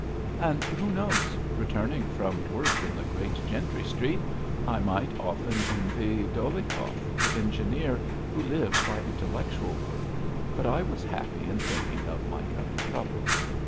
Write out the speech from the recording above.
And who knows returning from work in the Great Gentry Street, I might often envy Dolyhikov, the engineer, who lives by intellectual work, but I was happy in thinking of my coming troubles.